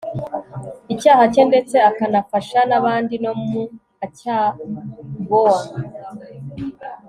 icyaha cye ndetse akanafasha n'abandi no mu acyaboa